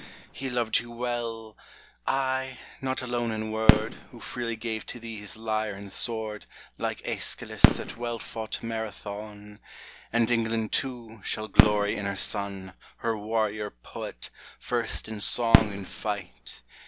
He loved you well — ay, not alone in word, Who freely gave to thee his lyre and sword, Like iEschylus at well fought Marathon : [IO] And England, too, shall glory in her son, Her warrior poet, first in song and fight.